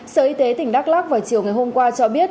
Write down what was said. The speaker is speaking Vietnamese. sở y tế tỉnh đắk lắc vào chiều ngày hôm qua cho biết